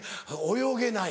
泳げない。